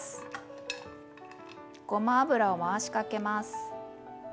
ごま油を回しかけます。